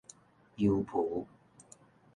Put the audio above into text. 幽浮